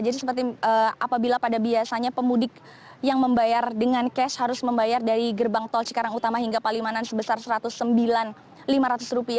jadi seperti apabila pada biasanya pemudik yang membayar dengan cash harus membayar dari gerbang tol sekarang utama hingga palimanan sebesar rp satu ratus sembilan lima ratus